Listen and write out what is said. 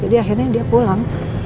jadi akhirnya dia pulang